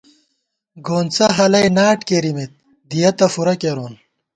گونڅہ ہَلَئ ناٹ کېرِمېت ، دِیَتہ فُورہ کېرون